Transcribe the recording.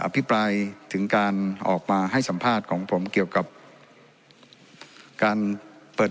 พิปรายถึงการออกมาให้สัมภาษณ์ของผมเกี่ยวกับการเปิด